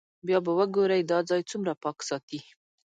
بیا به وګورئ دا ځای څومره پاک ساتي.